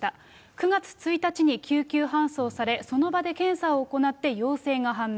９月１日に救急搬送され、その場で検査を行って陽性が判明。